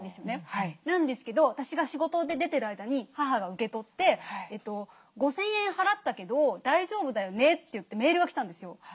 なんですけど私が仕事で出てる間に母が受け取って「５，０００円払ったけど大丈夫だよね？」といってメールが来たんですよ。